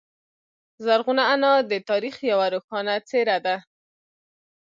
زرغونه انا د تاریخ یوه روښانه څیره ده.